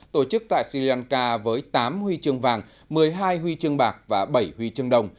tổ chức tại sri lanka với tám huy chương vàng một mươi hai huy chương bạc và bảy huy chương đồng